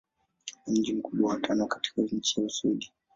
Ni mji mkubwa wa tano katika nchi wa Uswidi.